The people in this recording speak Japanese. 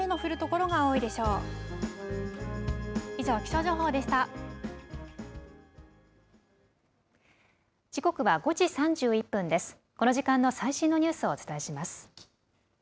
この時間の最新のニュースをお伝えします。